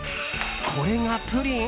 これがプリン？